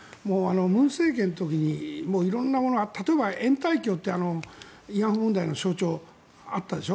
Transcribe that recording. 文政権の時に色んなものが例えば、挺対協という慰安婦問題の象徴があったでしょ。